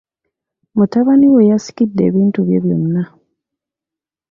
Mutabani we yasikidde ebintu bye byonna.